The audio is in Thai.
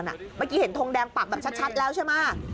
เมื่อกี้เห็นทงแดงปักแบบชัดแล้วใช่ไหม